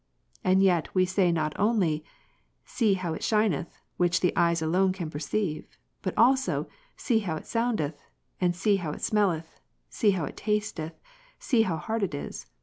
And yet we say not only, see how it shineth, which the eyes alone can perceive ; but also, see how it soundeth, see how it smelleth, see how it tasteth, see how hard it is.